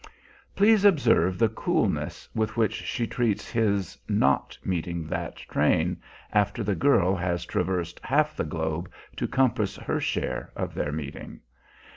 Please observe the coolness with which she treats his not meeting that train, after the girl has traversed half the globe to compass her share of their meeting.